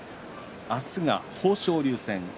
明日が豊昇龍戦。